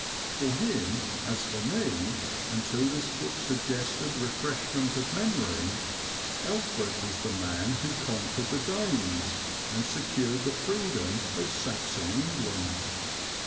For him, as for me, until this book suggested refreshment of memory, Alfred was the man who conquered the Danes and secured the freedom of Saxon England.